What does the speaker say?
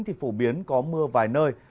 thì phổ biến có mưa vài nơi